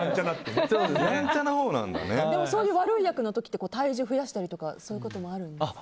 でも、そういう悪い役の時って体重増やしたりとかそういうこともあるんですか？